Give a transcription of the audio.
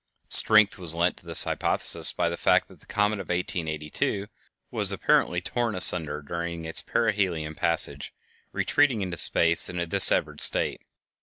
Strength was lent to this hypothesis by the fact that the comet of 1882 was apparently torn asunder during its perihelion passage, retreating into space in a dissevered state.